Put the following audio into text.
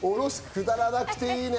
くだらなくていいね。